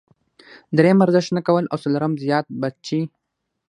دريم ورزش نۀ کول او څلورم زيات بچي -